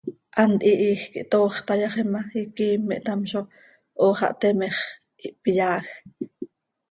Hant hihiij quih toox tayaxi ma, iquiim ihtamzo, hoo xah teme x, ihpyaajc.